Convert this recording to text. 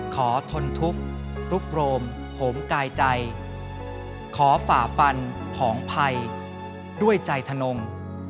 ทนทุกข์ลุกโรมโหมกายใจขอฝ่าฟันผองภัยด้วยใจธนง